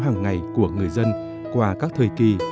hàng ngày của người dân qua các thời kỳ